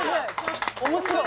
「面白い」？